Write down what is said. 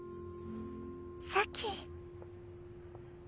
咲。